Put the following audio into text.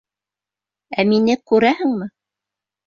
Ә мине күрәһеңме?